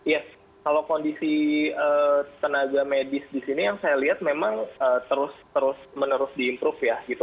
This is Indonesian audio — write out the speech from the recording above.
ya kalau kondisi tenaga medis di sini yang saya lihat memang terus terus menerus diimprove ya